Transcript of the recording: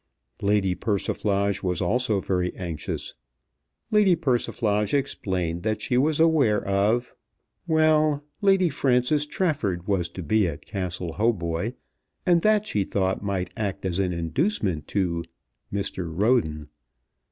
Lady Persiflage was also very anxious. Lady Persiflage explained that she was aware of, Well! Lady Frances Trafford was to be at Castle Hautboy, and that she thought might act as an inducement to Mr. Roden.